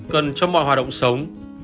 cần cho mọi hoạt động sống